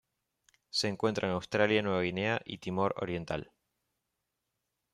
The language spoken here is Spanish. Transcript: Se encuentra en Australia Nueva Guinea y Timor Oriental.